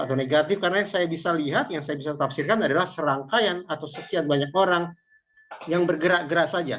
karena yang saya bisa lihat yang saya bisa tafsirkan adalah serangkaian atau sekian banyak orang yang bergerak gerak saja